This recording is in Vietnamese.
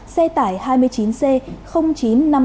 xe tải hai mươi chín c chín nghìn năm trăm năm mươi chín